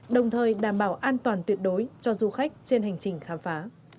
đồng thời đảm bảo an toàn tuyệt đối cho du khách trên hành trình khám phá